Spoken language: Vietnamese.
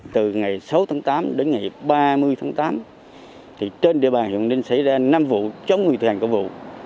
từ ngày sáu tháng tám đến ngày ba mươi tháng tám trên địa bàn hồng ninh xảy ra năm vụ chống nguyên thuyền của vụ